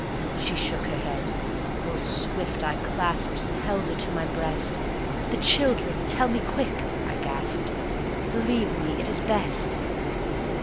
She shook her head. Oh, swift I clasped And held her to my breast; "The children! Tell me quick," I gasped, "Believe me, it is best."